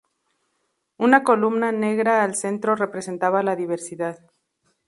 Una columna negra al centro representaba la diversidad.